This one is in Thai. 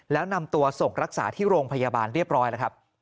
แล้วนำตัวส่งรักษาที่โรงพยาบาลเรียบร้อยแล้วครับ